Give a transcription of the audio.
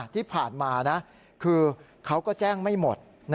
ที่ผ่านมาคือเขาก็แจ้งไม่หมด